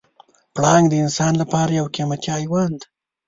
پړانګ د انسان لپاره یو قیمتي حیوان دی.